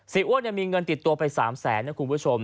อ้วนมีเงินติดตัวไป๓แสนนะคุณผู้ชม